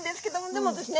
でもですね